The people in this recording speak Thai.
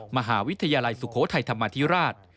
มหาวิทยาลัยสุโขทัยธรรมาธิราช